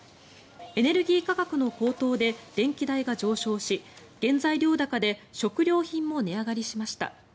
エネルギー価格の高騰で電気代が上昇し原材料高で食料品も値上がりしました。